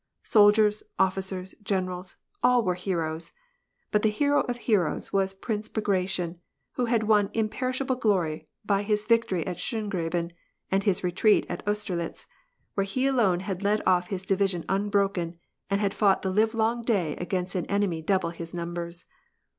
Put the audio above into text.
Soldiers, oflRcers, generals, all were heroes. But the hero of heroes was Prince Bagration, who had won imper ishable glory by his victory of Schongraben and his retreat at Austerlitz, where he alone had led off his division unbroken, and had fought the livelong day against an enemy double his numbers.